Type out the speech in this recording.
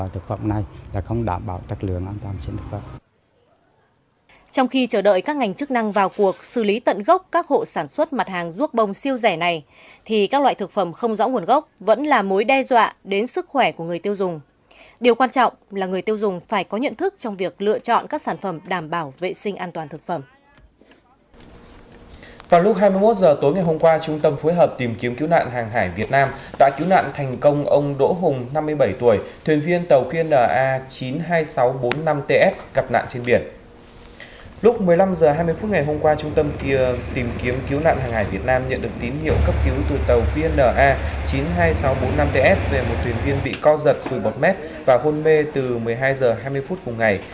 tìm kiếm cứu nạn hàng hải việt nam nhận được tín hiệu cấp cứu từ tàu pna chín mươi hai nghìn sáu trăm bốn mươi năm ts về một tuyển viên bị co giật dùi bọc mét và hôn mê từ một mươi hai h hai mươi phút cùng ngày